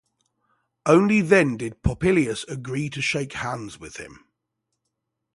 Only then did Popillius agree to shake hands with him.